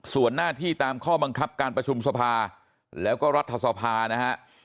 ส่วนหน้าที่ตามข้อบังคับการประชุมสภาแล้วก็รัฐสภานะฮะ